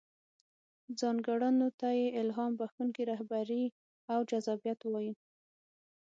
ځانګړنو ته يې الهام بښونکې رهبري او جذابيت وايو.